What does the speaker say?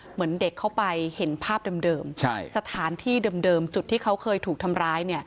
เหมือนเด็กเข้าไปเห็นภาพเดิมสถานที่เดิมจุดที่เขาเคยถูกทำร้าย